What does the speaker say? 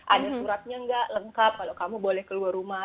ada suratnya nggak lengkap kalau kamu boleh keluar rumah